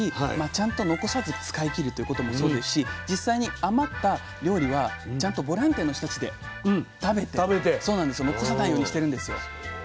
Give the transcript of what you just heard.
ちゃんと残さず使い切るっていうこともそうですし実際に余った料理はちゃんとボランティアの人たちで食べて残さないようにしてるんですよ。